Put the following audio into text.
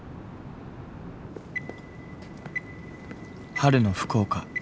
春の福岡